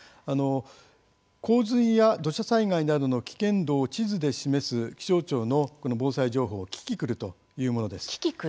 洪水や土砂災害などの危険度を地図で示す気象庁の防災情報キキクルというものです。